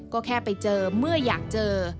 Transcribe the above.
ก็แค่ไปเจอเมื่ออยากเจอ